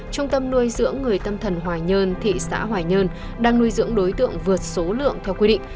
trung tâm nuôi dưỡng người tâm thần hòa nhơn thị xã hoài nhơn đang nuôi dưỡng đối tượng vượt số lượng theo quy định